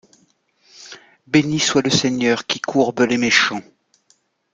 Béni soit le Seigneur qui courbe les méchants.